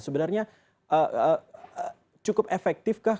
sebenarnya cukup efektif kah